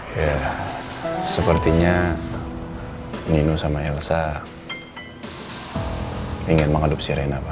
ya sepertinya nino sama elsa ingin mengadupsi rena pa